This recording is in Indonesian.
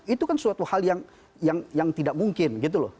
itu kan suatu hal yang tidak mungkin